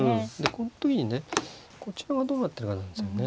この時にねこちらがどうなってるかなんですよね。